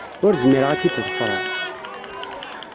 Ur zmireɣ ad k-id-ḍefreɣ.